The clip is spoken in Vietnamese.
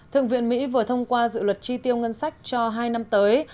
thượng viện mỹ vừa thông qua dự luật tri tiêu ngân sách cho hai năm tới